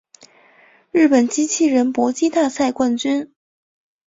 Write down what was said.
日本机器人搏击大赛冠军